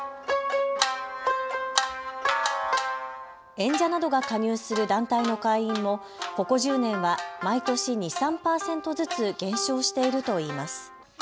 演者などが加入する団体の会員もここ１０年は毎年２、３％ずつ減少しているといいます。